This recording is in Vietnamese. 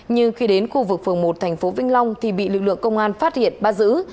nhưng khi đến khu vực phường một thành phố vĩnh long thì bị lực lượng công an phát hiện bắt giữ